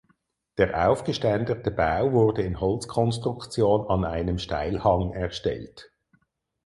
Der aufgeständerte Bau wurde in Holzkonstruktion an einem Steilhang erstellt.